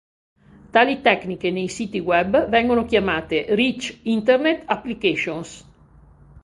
Tali tecniche nei siti web vengono chiamate "Rich Internet Applications".